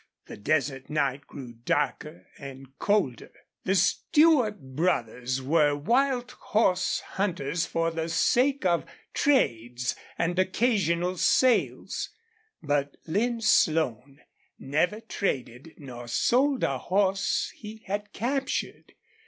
The desert night grew darker and colder. The Stewart brothers were wild horse hunters for the sake of trades and occasional sales. But Lin Slone never traded nor sold a horse he had captured.